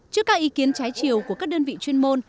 trước các ý kiến trái chiều của các đơn vị chuyên môn